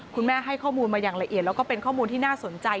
ให้ข้อมูลมาอย่างละเอียดแล้วก็เป็นข้อมูลที่น่าสนใจ